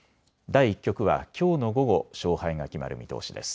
第１局は、きょうの午後勝敗が決まる見通しです。